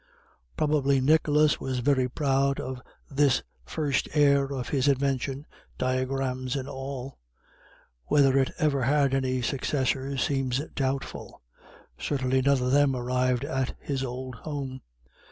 Probably Nicholas was very proud of this first heir of his invention, diagrams, and all. Whether it ever had any successors seems doubtful; certainly none of them arrived at his old home.